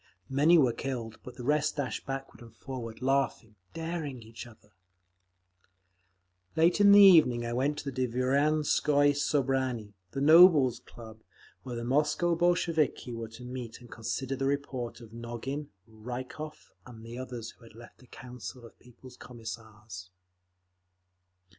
Many were killed, but the rest dashed backward and forward, laughing, daring each other…. Late in the evening I went to the Dvorianskoye Sobranie—the Nobles' Club—where the Moscow Bolsheviki were to meet and consider the report of Nogin, Rykov and the others who had left the Council of People's Commissars.